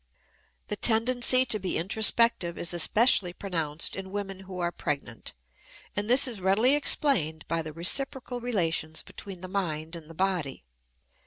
The tendency to be introspective is especially pronounced in women who are pregnant, and this is readily explained by the reciprocal relations between the mind and the body.